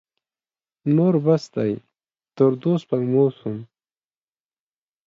نور بس دی؛ تر دوو سپږمو سوم.